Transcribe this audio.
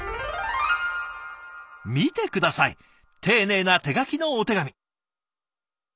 見て下さい丁寧な手書きのお手紙。